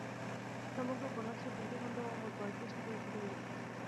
সমগ্র উপন্যাসটি তিনটি খণ্ড ও মোট পঁয়ত্রিশটি পরিচ্ছেদে বিভক্ত।